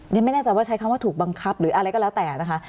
ไม่แน่ใจว่าใช้คำว่าถูกบังคับหรืออะไรก็แล้วแต่นะคะ